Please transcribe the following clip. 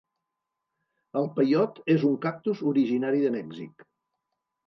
El peiot és un cactus originari de Mèxic.